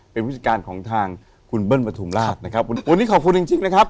เป็นผู้จัดการของทางคุณเบิ้ลประทุมราชนะครับวันนี้ขอบคุณจริงจริงนะครับ